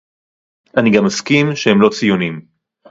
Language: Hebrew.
אני גם מסכים שהם לא ציונים